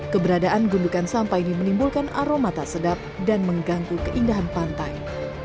keberadaan gundukan sampah ini menimbulkan aroma tak sedap dan mengganggu keindahan pantai